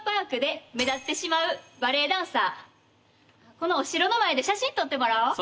このお城の前で写真撮ってもらおう。